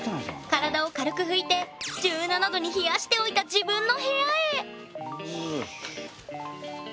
体を軽く拭いて１７℃に冷やしておいた自分の部屋へ！